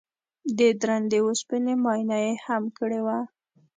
د درندې وسپنې معاینه یې هم کړې وه